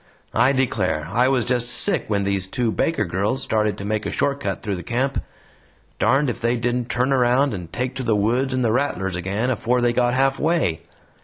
I declare, I was just sick when these two Baker girls started to make a short cut through the camp. Darned if they didn't turn round and take to the woods and the rattlers again afore they got halfway.